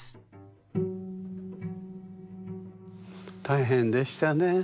大変でしたねえ。